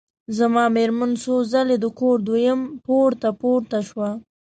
زما مېرمن څو ځلي د کور دویم پوړ ته پورته شوه.